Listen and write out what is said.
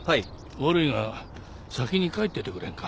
悪いが先に帰っててくれんか？